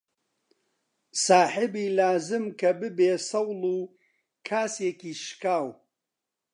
ساحیبی لازم کە بیبێ سەوڵ و کاسێکی شکاو